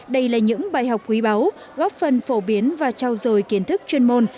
đây là những bài học quý báu góp phần phổ biến và trao dồi kiến thức chuyên môn